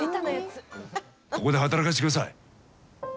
ここで働かせてください。